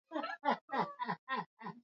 mwaka elfu moja mia nne tisini na tisa